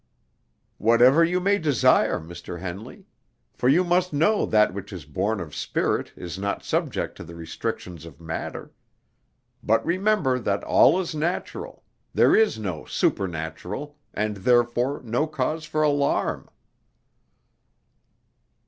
"Whatever you may desire, Mr. Henley; for you must know that which is born of spirit is not subject to the restrictions of matter. But remember that all is natural; there is no supernatural, and therefore no cause for alarm."